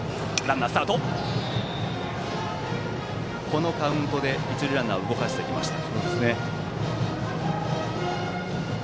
このカウントで一塁ランナーを動かしていきました。